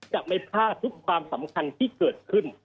จะไม่พลาดทุกความสำคัญที่เกิดขึ้น